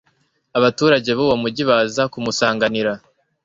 abaturage b'uwo mugi baza kumusanganira